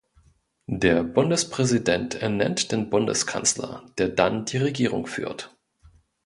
Der Bundespräsident ernennt den Bundeskanzler, der dann die Regierung führt.